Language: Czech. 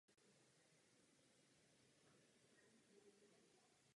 Nicméně veřejné práce na opravách Velkého kanálu přinesly nespokojenost lidu.